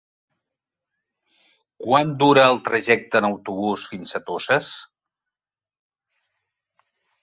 Quant dura el trajecte en autobús fins a Toses?